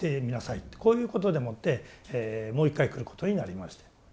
こういうことでもってもう一回来ることになりまして。